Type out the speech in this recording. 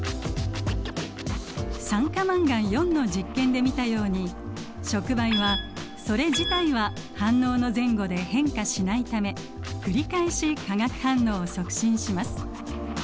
酸化マンガンの実験で見たように触媒はそれ自体は反応の前後で変化しないため繰り返し化学反応を促進します。